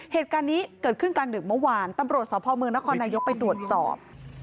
เหตุการณ์นี้เกิดขึ้นกลางดึกเมื่อวานตำรวจสพเมืองนครนายกไปตรวจสอบ